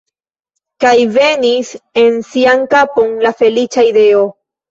Kaj venis en sian kapon la feliĉa ideo.